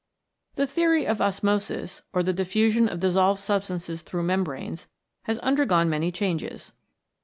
The Theory of Osmosis, or the diffusion of dis solved substances through membranes, has under gone many changes.